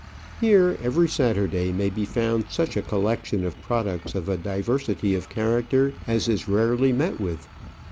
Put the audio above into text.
Here every Saturday may be found such a collection of products of a diversity of character as is rarely met with.